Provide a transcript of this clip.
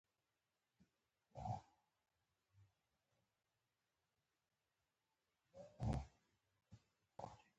خدای دې وکړي چې ستاسو وخت مې هم نه وي نیولی.